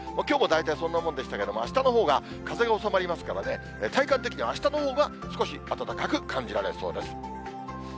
きょうも大体そんなもんでしたけれども、あしたのほうが風が収まりますからね、体感的にはあしたのほうが少し暖かく感じられそうです。